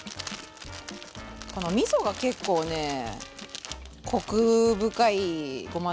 このみそが結構ねコク深いごま